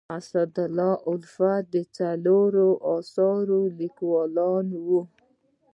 اسدالله الفت د څلورو اثارو لیکوال دی.